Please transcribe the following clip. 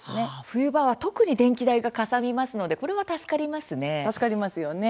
冬場は特に電気代がかさみますのでこれは助かりますね。